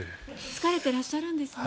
疲れていらっしゃるんですね。